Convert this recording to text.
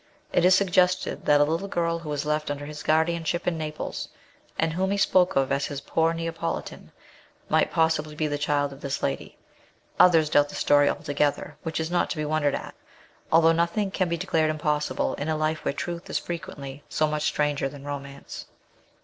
It is suggested that a little girl who was left under his guardianship in Naples, and whom he spoke of as his poor Neapoli tan, might possibly be the child of this lady ; others doubt the story altogether, which is not to be wondered at, although nothing can be declared impossible in a life where truth is frequently so much stranger than romance.